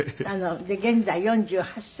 で現在４８歳。